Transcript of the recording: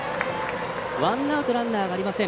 ワンアウト、ランナーはありません。